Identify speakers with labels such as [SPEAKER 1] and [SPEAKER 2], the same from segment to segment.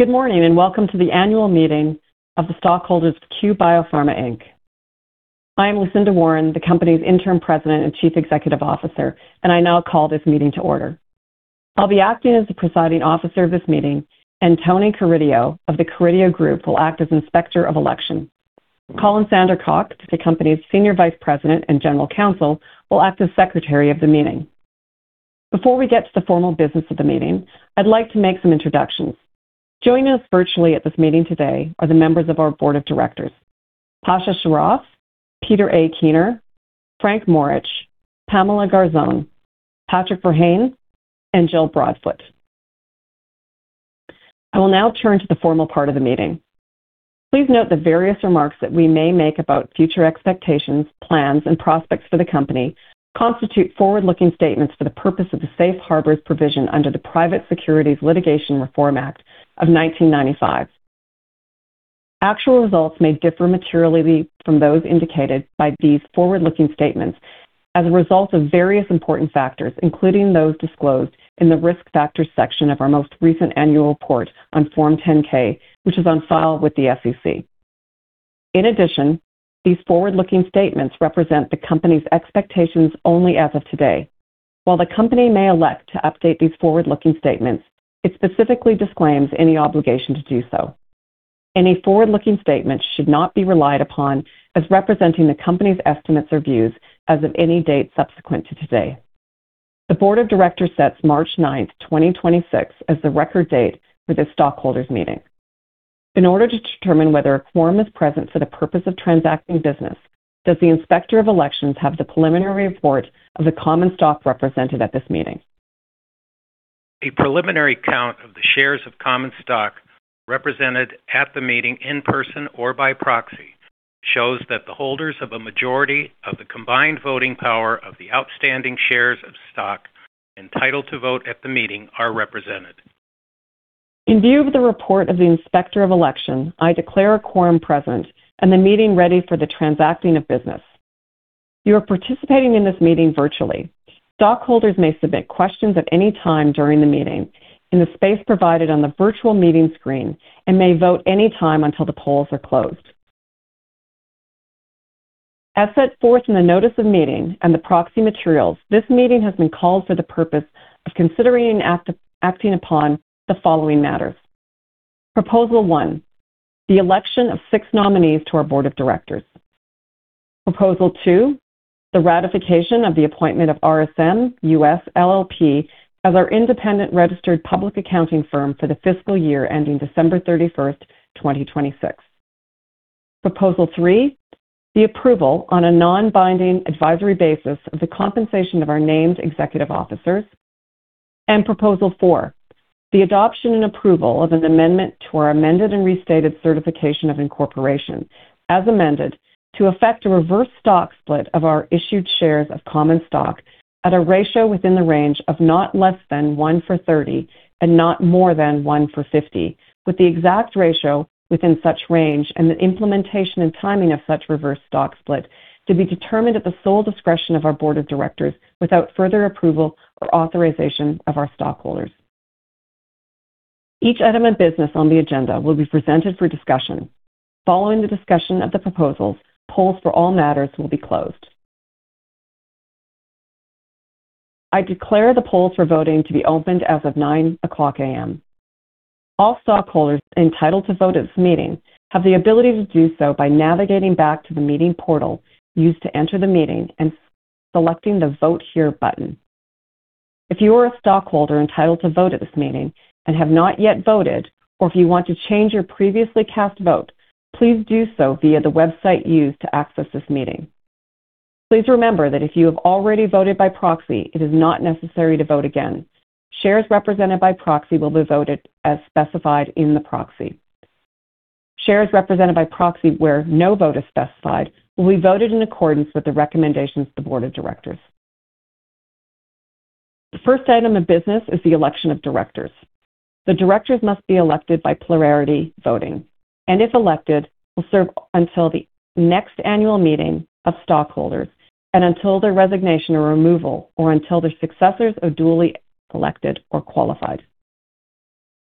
[SPEAKER 1] Good morning, and welcome to the annual meeting of the stockholders of Cue Biopharma, Inc. I am Lucinda Warren, the company's Interim President and Chief Executive Officer, and I now call this meeting to order. I'll be acting as the Presiding Officer of this meeting, and Tony Carideo of The Carideo Group will act as Inspector of Election. Colin Sandercock, the company's Senior Vice President and General Counsel, will act as Secretary of the meeting. Before we get to the formal business of the meeting, I'd like to make some introductions. Joining us virtually at this meeting today are the members of our Board of Directors, Pasha Sarraf, Peter A. Kiener, Frank Morich, Pamela D. Garzone, Patrick Verheyen, and Jill M. Broadfoot. I will now turn to the formal part of the meeting. Please note the various remarks that we may make about future expectations, plans, and prospects for the company constitute forward-looking statements for the purpose of the safe harbors provision under the Private Securities Litigation Reform Act of 1995. Actual results may differ materially from those indicated by these forward-looking statements as a result of various important factors, including those disclosed in the Risk Factors section of our most recent annual report on Form 10-K, which is on file with the SEC. In addition, these forward-looking statements represent the company's expectations only as of today. While the company may elect to update these forward-looking statements, it specifically disclaims any obligation to do so. Any forward-looking statements should not be relied upon as representing the company's estimates or views as of any date subsequent to today. The Board of Directors sets March ninth, 2026, as the record date for this stockholders' meeting. In order to determine whether a quorum is present for the purpose of transacting business, does the Inspector of Elections have the preliminary report of the common stock represented at this meeting?
[SPEAKER 2] A preliminary count of the shares of common stock represented at the meeting in person or by proxy shows that the holders of a majority of the combined voting power of the outstanding shares of stock entitled to vote at the meeting are represented.
[SPEAKER 1] In view of the report of the Inspector of Election, I declare a quorum present and the meeting ready for the transacting of business. You are participating in this meeting virtually. Stockholders may submit questions at any time during the meeting in the space provided on the virtual meeting screen and may vote any time until the polls are closed. As set forth in the notice of meeting and the proxy materials, this meeting has been called for the purpose of considering and acting upon the following matters. Proposal one, the election of six nominees to our Board of Directors. Proposal two, the ratification of the appointment of RSM US LLP as our independent registered public accounting firm for the fiscal year ending December 31st, 2026. Proposal three, the approval on a non-binding advisory basis of the compensation of our Named Executive Officers. Proposal four, the adoption and approval of an amendment to our Amended and Restated Certificate of Incorporation, as amended, to effect a reverse stock split of our issued shares of common stock at a ratio within the range of not less than 1/30 and not more than 1/50, with the exact ratio within such range and the implementation and timing of such reverse stock split to be determined at the sole discretion of our Board of Directors without further approval or authorization of our stockholders. Each item of business on the agenda will be presented for discussion. Following the discussion of the proposals, polls for all matters will be closed. I declare the polls for voting to be opened as of 9:00 A.M. All stockholders entitled to vote at this meeting have the ability to do so by navigating back to the meeting portal used to enter the meeting and selecting the Vote Here button. If you are a stockholder entitled to vote at this meeting and have not yet voted, or if you want to change your previously cast vote, please do so via the website used to access this meeting. Please remember that if you have already voted by proxy, it is not necessary to vote again. Shares represented by proxy will be voted as specified in the proxy. Shares represented by proxy where no vote is specified will be voted in accordance with the recommendations of the Board of Directors. The first item of business is the election of directors. The directors must be elected by plurality voting, and if elected, will serve until the next annual meeting of stockholders and until their resignation or removal, or until their successors are duly elected or qualified.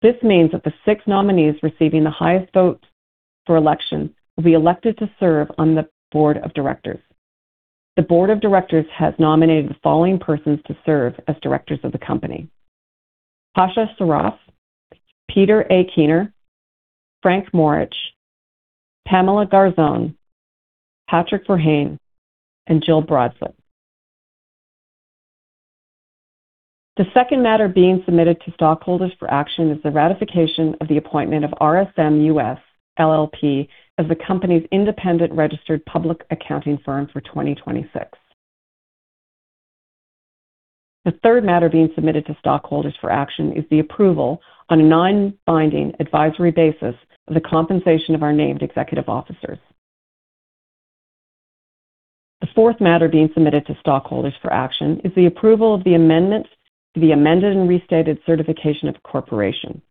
[SPEAKER 1] This means that the 6 nominees receiving the highest votes for election will be elected to serve on the Board of Directors. The Board of Directors has nominated the following persons to serve as directors of the company, Pasha Sarraf, Peter A. Kiener, Frank Morich, Pamela D. Garzone, Patrick Verheyen, and Jill M. Broadfoot. The second matter being submitted to stockholders for action is the ratification of the appointment of RSM US LLP as the company's independent registered public accounting firm for 2026. The third matter being submitted to stockholders for action is the approval on a non-binding advisory basis of the compensation of our named executive officers. The fourth matter being submitted to stockholders for action is the approval of the amendments to the Amended and Restated Certificate of Incorporation,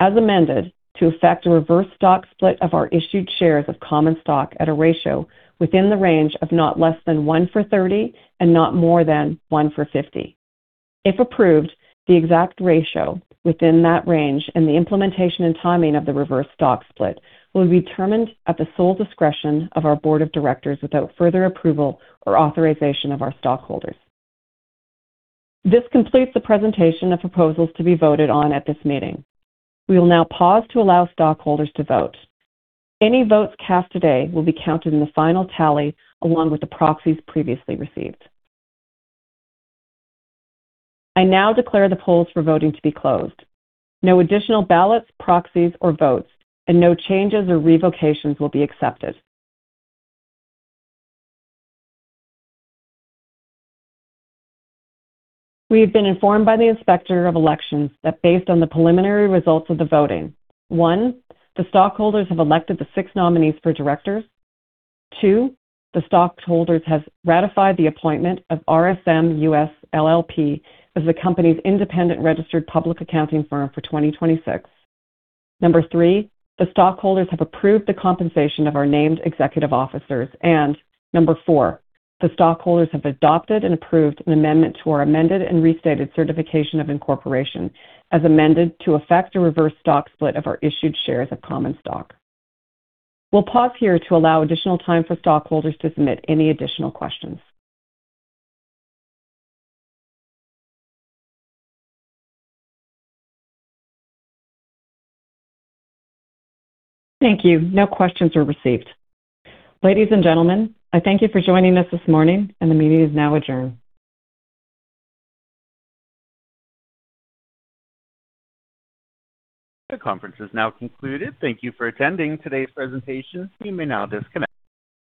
[SPEAKER 1] as amended, to effect a reverse stock split of our issued shares of common stock at a ratio within the range of not less than 1-for-30 and not more than 1-for-50. If approved, the exact ratio within that range and the implementation and timing of the reverse stock split will be determined at the sole discretion of our Board of Directors without further approval or authorization of our stockholders. This completes the presentation of proposals to be voted on at this meeting. We will now pause to allow stockholders to vote. Any votes cast today will be counted in the final tally along with the proxies previously received. I now declare the polls for voting to be closed. No additional ballots, proxies, or votes, and no changes or revocations will be accepted. We have been informed by the Inspector of Elections that based on the preliminary results of the voting, one, the stockholders have elected the six nominees for directors. Two, the stockholders have ratified the appointment of RSM US LLP as the Company's independent registered public accounting firm for 2026. Number 3, the stockholders have approved the compensation of our named executive officers. Number 4, the stockholders have adopted and approved an amendment to our amended and restated Certificate of Incorporation as amended to effect a reverse stock split of our issued shares of common stock. We'll pause here to allow additional time for stockholders to submit any additional questions. Thank you. No questions were received. Ladies and gentlemen, I thank you for joining us this morning, and the meeting is now adjourned.
[SPEAKER 3] The conference is now concluded. Thank you for attending today's presentation. You may now disconnect.